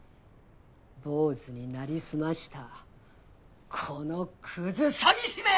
坊主に成り済ましたこのクズ詐欺師め！